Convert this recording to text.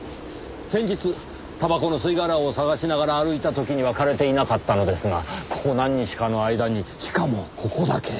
先日タバコの吸い殻を探しながら歩いた時には枯れていなかったのですがここ何日かの間にしかもここだけ。